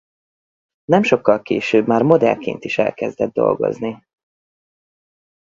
Nem sokkal később már modellként is elkezdett dolgozni.